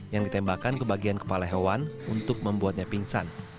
yang ditembakkan ke bagian kepala hewan untuk membuatnya pingsan